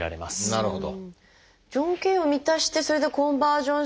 なるほど。